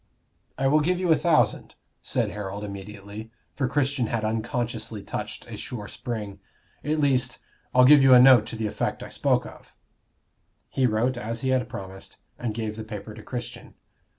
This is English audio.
"I will give you a thousand," said Harold, immediately, for Christian had unconsciously touched a sure spring. "At least, I'll give you a note to the effect I spoke of." He wrote as he had promised, and gave the paper to Christian.